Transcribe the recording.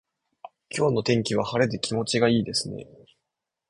今日の天気は晴れで気持ちがいいですね。